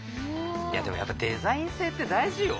いやでもやっぱりデザイン性って大事よ。